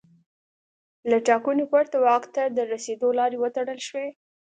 له ټاکنو پرته واک ته د رسېدو لارې وتړل شوې.